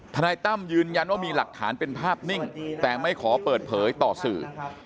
นายตั้มยืนยันว่ามีหลักฐานเป็นภาพนิ่งแต่ไม่ขอเปิดเผยต่อสื่อ